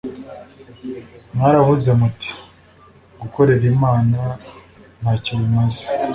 Mwaravuze muti gukorera Imana nta cyo bimaze